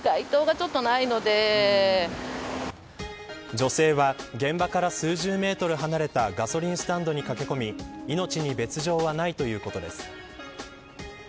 女性は現場から数十メートル離れたガソリンスタンドに駆け込み命に別条はないということです。